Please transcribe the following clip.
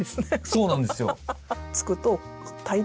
そうなんですよ。